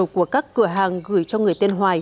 của các cửa hàng gửi cho người tên hoài